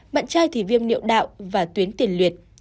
bạn trai thì viêm niệu đạo và tuyến tiền luyệt